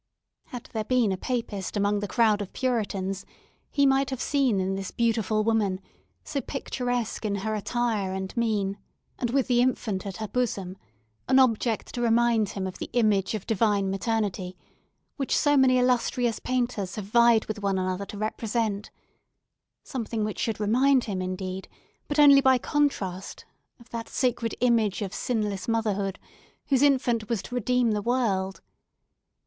Had there been a Papist among the crowd of Puritans, he might have seen in this beautiful woman, so picturesque in her attire and mien, and with the infant at her bosom, an object to remind him of the image of Divine Maternity, which so many illustrious painters have vied with one another to represent; something which should remind him, indeed, but only by contrast, of that sacred image of sinless motherhood, whose infant was to redeem the world.